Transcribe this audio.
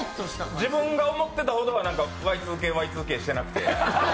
自分が思ったほどはＹ２Ｋ、Ｙ２Ｋしてなくて。